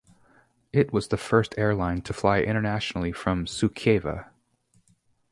It was the first airline to fly internationally from Suceava.